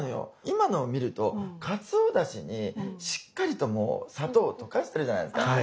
今のを見るとかつおだしにしっかりともう砂糖を溶かしてるじゃないですか。